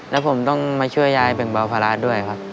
แล้วผมต้องมาช่วยยายแบ่งเบาภาระด้วยครับ